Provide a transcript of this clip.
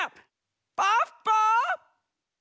ポッポ！